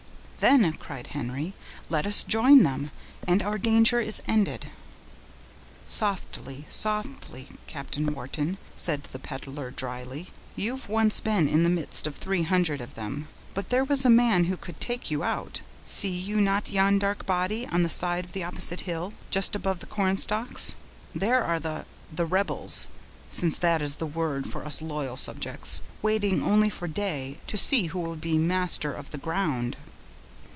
"Then," cried Henry, "let us join them, and our danger is ended." "Softly, softly, Captain Wharton," said the peddler, dryly, "you've once been in the midst of three hundred of them, but there was a man who could take you out; see you not yon dark body, on the side of the opposite hill, just above the cornstalks? There are the—the rebels (since that is the word for us loyal subjects), waiting only for day, to see who will be master of the ground."